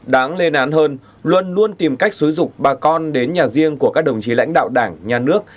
đáng lên án hơn luân luôn tìm cách xúi dục bà con đến nhà riêng của các đồng chí lãnh đạo đảng nhà nước